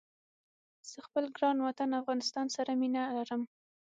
زه خپل ګران وطن افغانستان سره مينه ارم